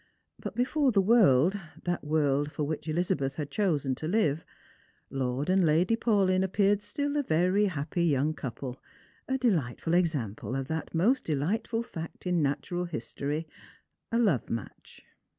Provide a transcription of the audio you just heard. But before the world — that world for which Elizabeth had chosen to live — Lord and Lady Paulyn appeared still a very happy young couple, a delightful example of that most delightful fact in natural history — a love match.